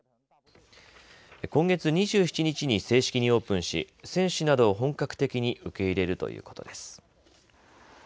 今月２７日に正式にオープンし選手などを本格的に受け入れるということです。